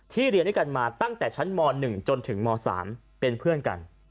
เรียนด้วยกันมาตั้งแต่ชั้นม๑จนถึงม๓เป็นเพื่อนกัน